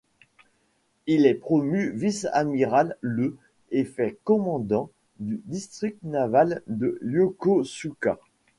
Il est promu vice-amiral le et fait commandant du district naval de Yokosuka.